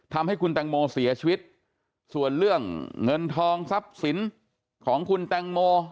ทำให้คุณแตงโมเสียชีวิตส่วนเรื่องเงินทองทรัพย์สินของคุณแตงโม